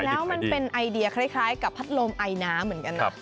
แล้วมันเป็นไอเดียคล้ายกับพัดลมไอน้ำเหมือนกันนะ